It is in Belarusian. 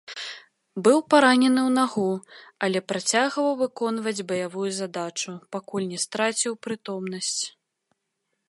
Быў паранены ў нагу, але працягваў выконваць баявую задачу, пакуль не страціў прытомнасць.